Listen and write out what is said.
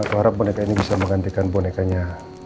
harap boneka ini bisa menggantikan bonekanya